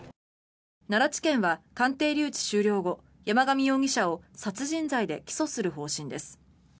奈良地検は鑑定留置終了後山上容疑者を殺人罪で起訴する方針です。